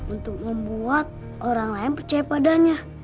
untuk membuat orang lain percaya padanya